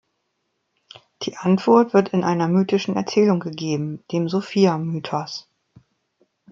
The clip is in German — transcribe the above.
Die Antwort wird in einer mythischen Erzählung gegeben, dem Sophia-Mythos.